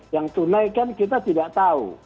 yang tunai kan kita tidak tahu